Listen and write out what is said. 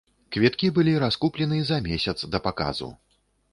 Квіткі былі раскуплены за месяц да паказу.